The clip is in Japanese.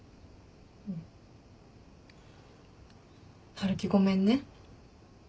春樹ごめんね。